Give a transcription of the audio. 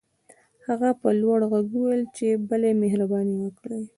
هغه په لوړ غږ وويل چې بلې مهرباني وکړئ.